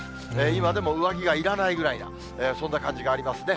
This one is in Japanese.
今でも上着がいらないぐらいな、そんな感じがありますね。